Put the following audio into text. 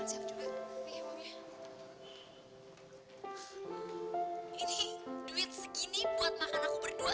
sampai jumpa di video selanjutnya